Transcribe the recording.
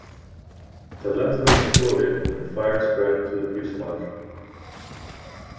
The left wing exploded and fire spread to the fuselage.